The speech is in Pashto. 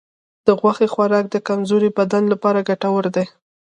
د غوښې خوراک د کمزورې بدن لپاره ګټور دی.